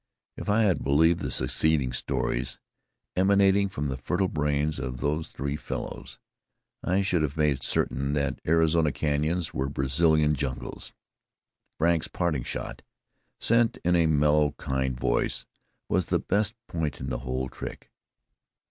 If I had believed the succeeding stories, emanating from the fertile brains of those three fellows, I should have made certain that Arizona canyons were Brazilian jungles. Frank's parting shot, sent in a mellow, kind voice, was the best point in the whole trick.